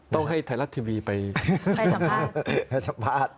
ต้องให้ไทยรัฐทีวีไปสัมภาษณ์